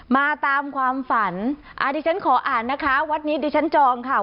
มาตามความฝันอ่าดิฉันขออ่านนะคะวัดนี้ดิฉันจองค่ะ